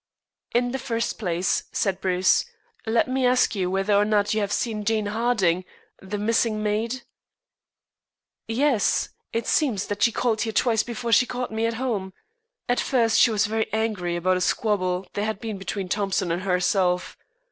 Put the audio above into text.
"In the first place," said Bruce, "let me ask you whether or not you have seen Jane Harding, the missing maid?" "Yes. It seems that she called here twice before she caught me at home. At first she was very angry about a squabble there had been between Thompson and herself.